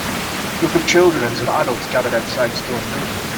Group of children and some adults gathered outside stone buildings.